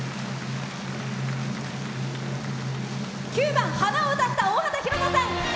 ９番「花」を歌ったおおはたさん！